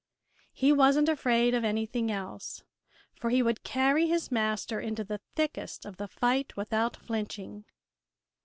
He wasn't afraid of anything else, for he would carry his master into the thickest of the fight without flinching.